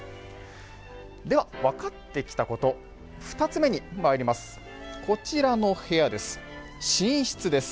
分かってきたこと２つ目にまいります。